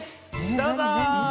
どうぞ！